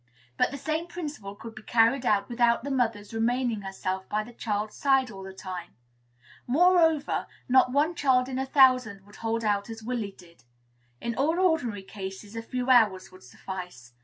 But the same principle could be carried out without the mother's remaining herself by the child's side all the time. Moreover, not one child in a thousand would hold out as Willy did. In all ordinary cases a few hours would suffice.